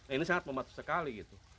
ini sangat membantu sekali gitu